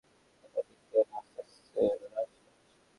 এটার দিক কেন আস্তে আস্তে হ্রাস পাচ্ছে?